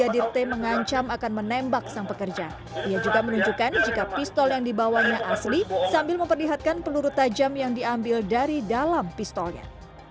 dia juga menunjukkan jika pistol yang dibawanya asli sambil memperlihatkan peluru tajam yang diambil dari dalam pistolnya